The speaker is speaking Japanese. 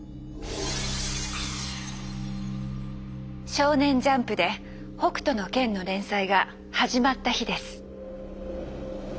少年ジャンプで「北斗の拳」の連載が始まった日です。